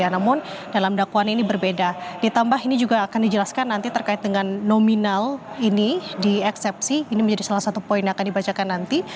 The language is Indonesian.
namun dalam dakwaan ini berbeda ditambah ini juga akan dijelaskan nanti terkait dengan nominal ini di eksepsi ini menjadi salah satu poin yang akan dibacakan nanti